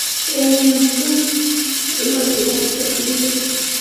افغانستان له د اوبو سرچینې ډک دی.